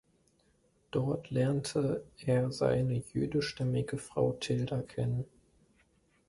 Dort lernte er seine jüdischstämmige Frau Tilda kennen.